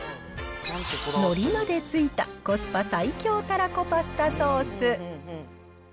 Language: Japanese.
ノリまでついたコスパ最強たらこパスタソース。